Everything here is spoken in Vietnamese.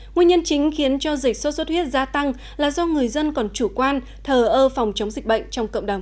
nguyên nhân chính khiến cho dịch sốt xuất huyết gia tăng là do người dân còn chủ quan thờ ơ phòng chống dịch bệnh trong cộng đồng